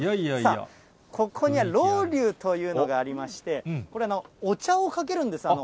さあ、ここにはロウリュというのがありまして、これ、お茶をかけるんです。